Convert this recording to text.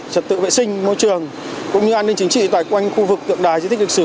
trật tự vệ sinh môi trường cũng như an ninh chính trị tại quanh khu vực tượng đài di tích lịch sử